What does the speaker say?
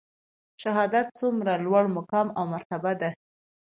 شهادت څومره لوړ مقام او مرتبه ده؟